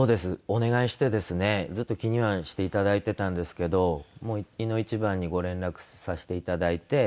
お願いしてですねずっと気にはしていただいてたんですけどもういの一番にご連絡させていただいて。